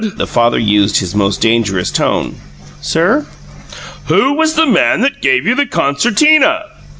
The father used his most dangerous tone. "Sir?" "Who was the man that gave you the concertina?"